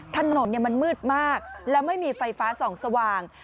ถนนมันมืดมากแล้วไม่มีไฟฟ้าส่องสว่าง